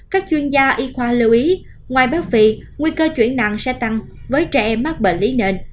các chuyên gia y khoa lưu ý ngoài bác vị nguy cơ chuyển nặng sẽ tăng với trẻ em mắc bệnh lý nền